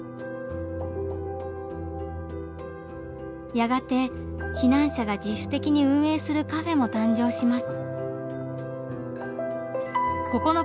やがて避難者が自主的に運営するカフェも誕生します。